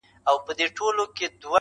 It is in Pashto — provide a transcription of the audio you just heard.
هر څوک له بل لرې دي,